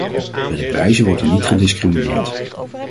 Bij de prijzen wordt er niet gediscrimineerd.